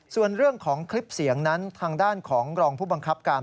ส่วนเรื่องของคลิปเสียงนั้นทางด้านของรองผู้บังคับการ